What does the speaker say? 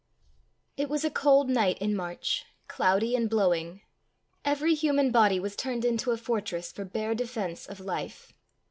It was a cold night in March, cloudy and blowing. Every human body was turned into a fortress for bare defence of life.